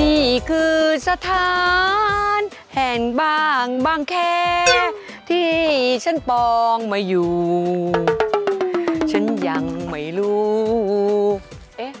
นี่คือสถานแห่งบางบางแคที่ฉันปองมาอยู่ฉันยังไม่รู้เอ๊ะ